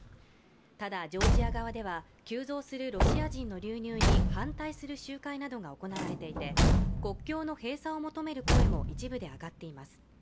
ただジョージア側では急増するロシア人の流入に反対する集会などが行われていて国境の閉鎖を求める声を一部で上がっています。